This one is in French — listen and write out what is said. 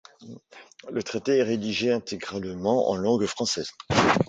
Le traité est rédigé intégralement en langue française.